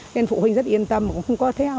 nên phụ huynh rất yên tâm không có theo